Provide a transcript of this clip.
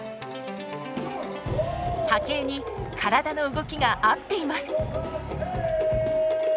波形に体の動きが合っています。